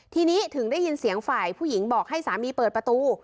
ทีนี้ถึงได้ยินเสียงฝ่ายผู้หญิงบอกให้สามีเปิดประตู